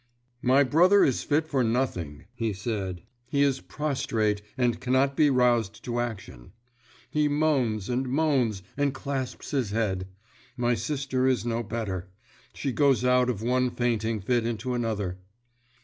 "My brother is fit for nothing," he said. "He is prostrate, and cannot be roused to action. He moans and moans, and clasps his head. My sister is no better; she goes out of one fainting fit into another."